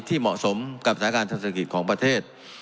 ที่เหมาะสมกับศาลการณ์ธรรมดิการของประเทศ